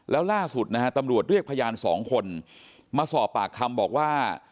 แล้วล่าสุดนะฮะตำรวจเรียกพยานสองคนมาสอบปากคำบอกว่า